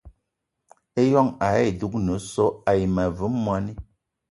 Ijon ayì dúgne so àyi ma ve mwani